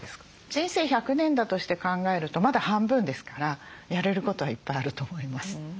人生１００年だとして考えるとまだ半分ですからやれることはいっぱいあると思います。